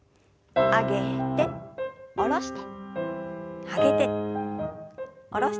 上げて下ろして上げて下ろして。